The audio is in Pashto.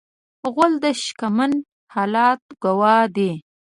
غول د شکمن حالت ګواه دی.